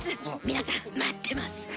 皆さん待ってます。